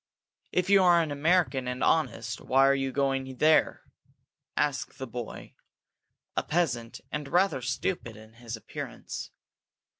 "If you are an American and honest, why are you going there?" asked this boy, a peasant, and rather stupid in his appearance.